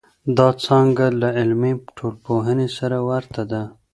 دا څانګه له عملي ټولنپوهنې سره ورته ده.